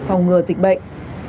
phòng ngừa dịch bệnh